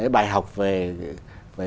bài học về